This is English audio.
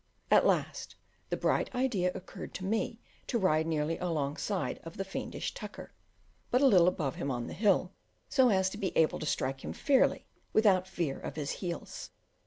At last the bright idea occurred to me to ride nearly alongside of the fiendish Tucker, but a little above him on the hill, so as to be able to strike him fairly without fear of his heels.